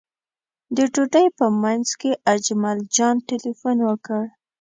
د ډوډۍ په منځ کې اجمل جان تیلفون وکړ.